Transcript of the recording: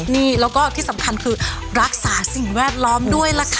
นี่แล้วก็ที่สำคัญคือรักษาสิ่งแวดล้อมด้วยล่ะค่ะ